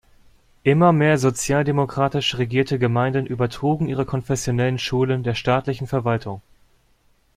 Immer mehr sozialdemokratisch regierte Gemeinden übertrugen ihre konfessionellen Schulen der staatlichen Verwaltung.